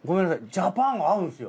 ジャパン合うんですよ。